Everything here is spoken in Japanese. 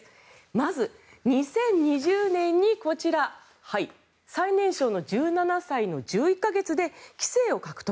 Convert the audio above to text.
まず２０２０年にこちら最年少の１７歳の１１か月で棋聖を獲得。